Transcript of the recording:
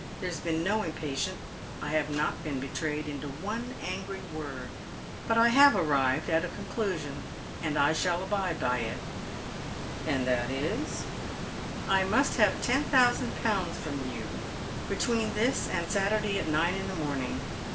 There has been no impatience. I have not been betrayed into one angrj' word, but I have arrived at a conclusion, and I shall abide by it." " And that is "" 1 must have ten thousand pounds from you between this and Saturday at nine in the morning.